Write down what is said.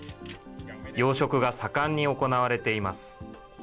養殖が盛んに行われています。